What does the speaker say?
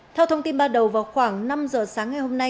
theo thông tin ban đầu vào khoảng năm giờ sáng ngày hôm nay